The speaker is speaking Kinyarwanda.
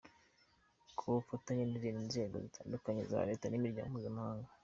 Ku bufatanye n’izindi nzego zitandukanye za leta n’imiryango mpuzamahanga